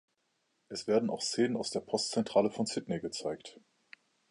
Es werden auch Szenen aus der Postzentrale von Sydney gezeigt.